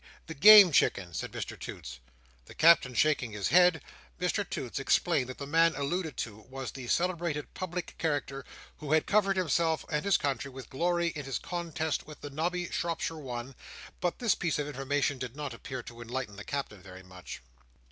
"The Game Chicken," said Mr Toots. The Captain shaking his head, Mr Toots explained that the man alluded to was the celebrated public character who had covered himself and his country with glory in his contest with the Nobby Shropshire One; but this piece of information did not appear to enlighten the Captain very much.